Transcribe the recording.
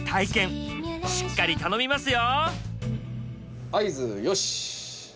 しっかり頼みますよ！